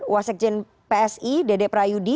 wasekjen psi dede prayudi